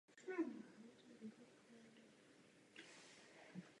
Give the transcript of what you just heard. V ulicích dále zuří nepokoje a umírají další lidé.